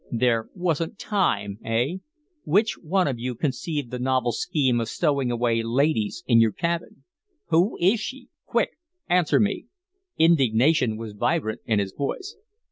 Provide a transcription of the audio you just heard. "There wasn't TIME, eh? Which one of you conceived the novel scheme of stowing away ladies in your cabin? Whose is she? Quick! Answer me." Indignation was vibrant in his voice.